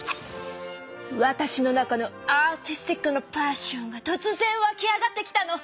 わたしの中のアーティスティックなパッションがとつぜんわき上がってきたの！